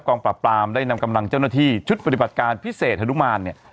ปรับปรามได้นำกำลังเจ้าหน้าที่ชุดปฏิบัติการพิเศษฮนุมานเนี่ย